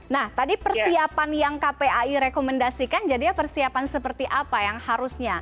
nah tadi persiapan yang kpai rekomendasikan jadinya persiapan seperti apa yang harusnya